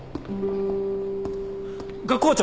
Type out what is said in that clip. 学校長！